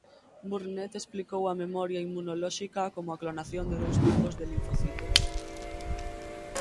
Burnet explicou a memoria inmunolóxica como a clonación de dous tipos de linfocitos.